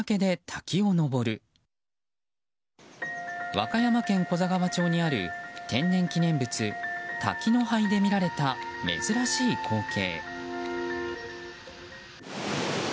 和歌山県古座川町にある天然記念物、滝の拝で見られた珍しい光景。